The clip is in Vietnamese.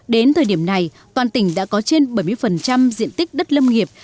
đến thời điểm này toàn tỉnh đã có trên bảy mươi diện tích đất lâm nghiệp